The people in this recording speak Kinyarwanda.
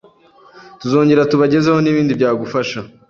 tuzongera tubagezeho n’ibindi byagufasha